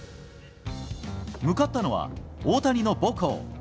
向かったのは、大谷の母校